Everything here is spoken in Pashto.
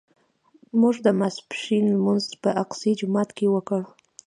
موږ د ماسپښین لمونځ په اقصی جومات کې وکړ.